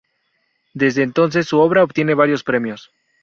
Desde entonces su obra obtiene varios premios.